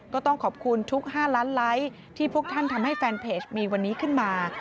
ก็ต้องขอบคุณทุก๕ล้านไลค์ที่พวกท่านทำให้แฟนเพจมีวันนี้ขึ้นมา